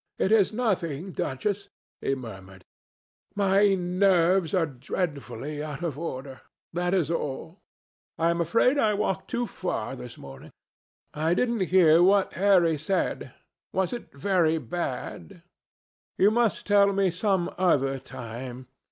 "It is nothing, Duchess," he murmured; "my nerves are dreadfully out of order. That is all. I am afraid I walked too far this morning. I didn't hear what Harry said. Was it very bad? You must tell me some other time.